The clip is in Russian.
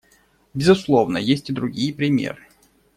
Безусловно, есть и другие примеры.